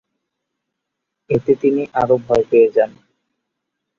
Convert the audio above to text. এতে তিনি আরো ভয় পেয়ে যান।